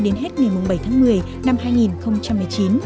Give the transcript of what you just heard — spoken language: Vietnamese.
đến hết ngày bảy tháng một mươi năm hai nghìn một mươi chín